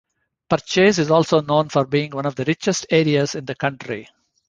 Purchase is also known for being one of the richest areas in the country.